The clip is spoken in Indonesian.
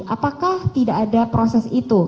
apakah tidak ada proses itu